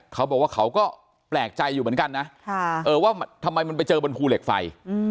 เขาก็แปลกใจอยู่เหมือนกันนะว่าทำไมมันไปเจอบนภูเหล็กไฟ